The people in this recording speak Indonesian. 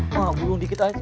mak burung dikit aja